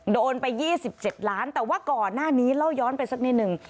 โดนไปยี่สิบเจ็ดล้านแต่ว่าก่อนหน้านี้เล่าย้อนไปสักนิดหนึ่ง